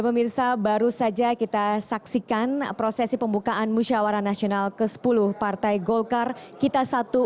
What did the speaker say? pemirsa baru saja kita saksikan prosesi pembukaan musyawara nasional ke sepuluh partai golkar kita satu